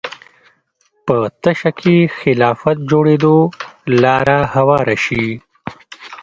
په تشه کې خلافت جوړېدو لاره هواره شي